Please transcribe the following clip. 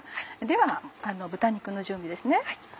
では豚肉の準備です。